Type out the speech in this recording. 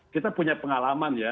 kita punya pengalaman ya